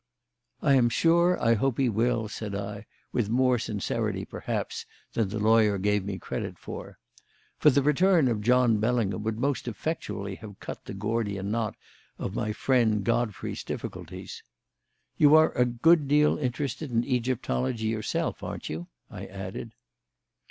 "I am sure I hope he will," said I, with more sincerity, perhaps, than the lawyer gave me credit for. For the return of John Bellingham would most effectually have cut the Gordian knot of my friend Godfrey's difficulties. "You are a good deal interested in Egyptology yourself, aren't you?" I added.